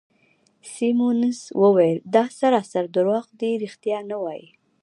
سیمونز وویل: دا سراسر درواغ دي، ریښتیا نه وایې.